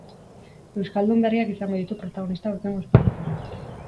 Euskaldun berriak izango ditu protagonista aurtengo ospakizunak.